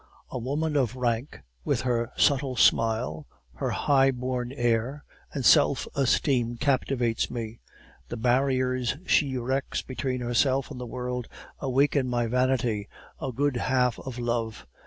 "A woman of rank with her subtle smile, her high born air, and self esteem captivates me. The barriers she erects between herself and the world awaken my vanity, a good half of love.